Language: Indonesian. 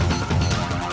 terima kasih chandra